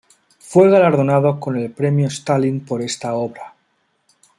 Fue galardonado con el Premio Stalin por esta obra.